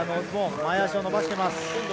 前足を伸ばしています。